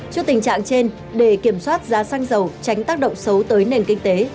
trước tình trạng trên để kiểm soát giá xăng dầu tránh tác động xấu tới nền kinh tế